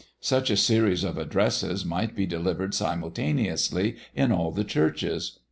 Such a series of addresses might be delivered simultaneously in all the churches.